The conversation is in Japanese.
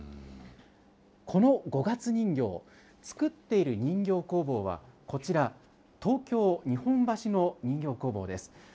この五月人形、作っている人形工房は、こちら、東京・日本橋の人形工房です。